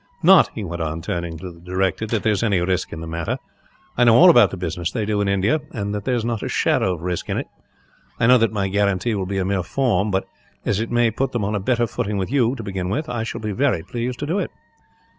"'Not,' he went on, turning to the director, 'that there is any risk in the matter. I know all about the business they do in India, and that there is not a shadow of risk in it. I know that my guarantee will be a mere form but, as it may put them on a better footing with you, to begin with, I shall be very pleased to do it.'